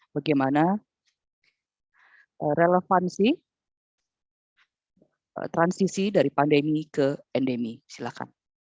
bagaimana relevansi transisi dari pandemi ke endemi silakan